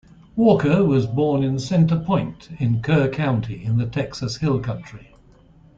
Walker was born in Center Point in Kerr County in the Texas Hill Country.